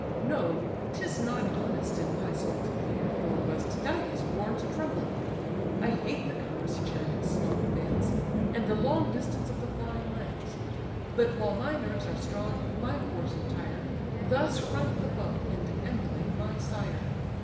Know, 'tis not honest in my soul to fear, Nor was Tydides born to tremble here. I hate the cumbrous chariot's slow advance, And the long distance of the flying lance; But while my nerves are strong, my force entire, Thus front the foe, and emulate my sire.